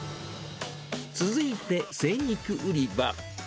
続いて、精肉売り場。